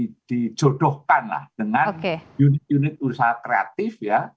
jadi jodohkanlah dengan unit unit usaha kreatif ya